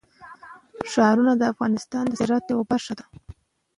ښارونه د افغانستان د صادراتو یوه برخه ده.